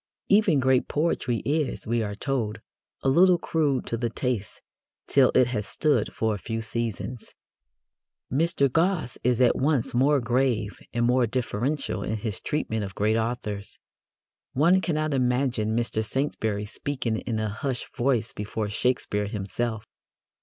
Even great poetry is, we are told, a little crude to the taste till it has stood for a few seasons. Mr. Gosse is at once more grave and more deferential in his treatment of great authors. One cannot imagine Mr. Saintsbury speaking in a hushed voice before Shakespeare himself.